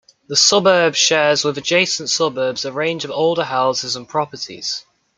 The suburb shares with adjacent suburbs a range of older houses and properties.